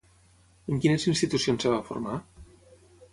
En quines institucions es va formar?